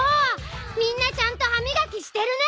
みんなちゃんとはみがきしてるね！